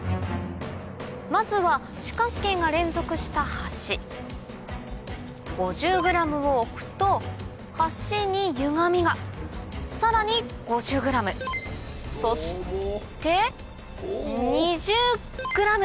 まずは四角形が連続した橋５０ｇを置くと橋にゆがみがさらに５０ｇそして２０ｇ！